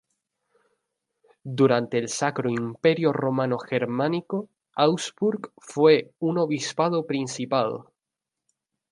Durante el Sacro Imperio Romano Germánico Augsburg fue un obispado-principado.